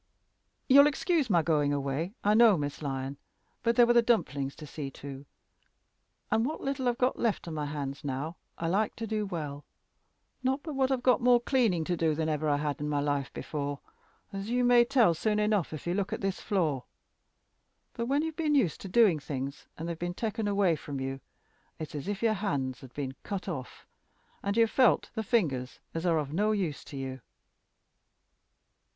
"You'll excuse my going away, I know, Miss Lyon. But there were the dumplings to see to, and what little I've got left on my hands now I like to do well. Not but what I've more cleaning to do than ever I had in my life before, as you may tell soon enough if you look at this floor. But when you've been used to doing things, and they've been taken away from you, it's as if your hands had been cut off, and you felt the fingers as are of no use to you."